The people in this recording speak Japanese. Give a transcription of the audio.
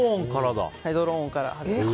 ドローンから。